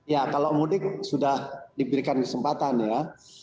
ya kalau mudik sudah diberikan kesempatan ya